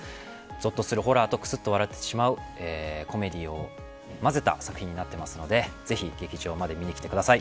ぞっとするホラーとくすっと笑ってしまうコメディーを混ぜた作品になってますのでぜひ劇場まで見に来てください。